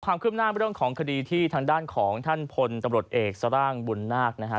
ความคืบหน้าเรื่องของคดีที่ทางด้านของท่านพลตำรวจเอกสร่างบุญนาคนะฮะ